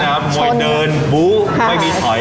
กลิ่นล้ำหมวยเดินบุหน้าที่หมินถอย